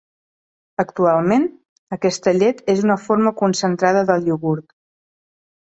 Actualment, aquesta llet és una forma concentrada del iogurt.